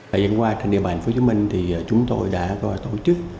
hồi dần qua trên địa bàn hồ chí minh chúng tôi đã tổ chức